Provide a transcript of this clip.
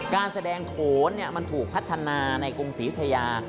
การแสดงโขนมันถูกพัฒนาในกรุงศรียุธยา